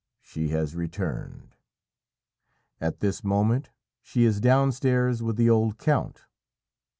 She has returned! At this moment she is downstairs with the old count.